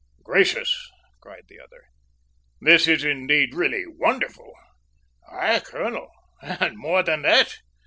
"Gracious!" cried the other. "This is indeed really wonderful!" "Aye, colonel, and more than that!